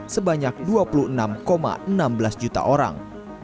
sebanyak dua puluh enam enam belas juta orang